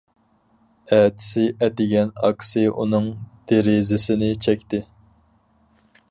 ئەتىسى ئەتىگەن، ئاكىسى ئۇنىڭ دېرىزىسىنى چەكتى.